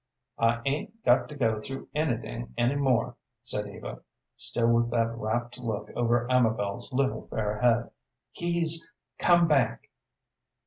"I 'ain't got to go through anything more," said Eva, still with that rapt look over Amabel's little, fair head. "He's come back."